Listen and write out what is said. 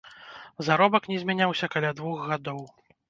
Заробак не змяняўся каля двух гадоў.